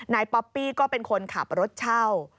ป๊อปปี้ก็เป็นคนขับรถเช่า